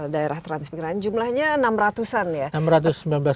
daerah transmigran jumlahnya enam ratus an ya